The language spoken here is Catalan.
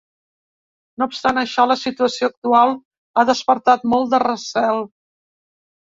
No obstant això, la situació actual ha despertat molt de recel.